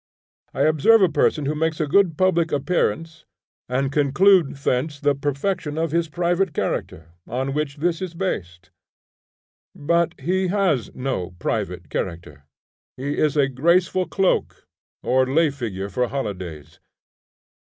I observe a person who makes a good public appearance, and conclude thence the perfection of his private character, on which this is based; but he has no private character. He is a graceful cloak or lay figure for holidays.